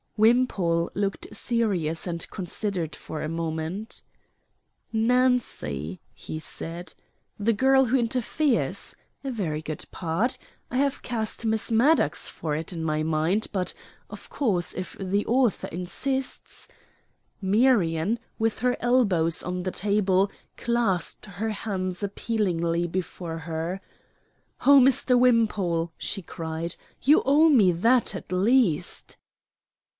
Wimpole looked serious and considered for a moment. "Nancy," he said, "the girl who interferes a very good part. I have cast Miss Maddox for it in my mind, but, of course, if the author insists " Marion, with her elbows on the table, clasped her hands appealingly before her. "Oh, Mr. Wimpole!" she cried, "you owe me that, at least."